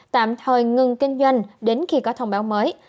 tạm thời ngừng kinh doanh đến khi có thông báo mới